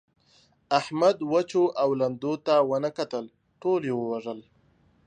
احمد وچو او لندو ته و نه کتل؛ ټول يې ووژل.